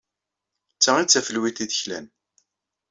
D ta ay d tafelwit ay d-klan.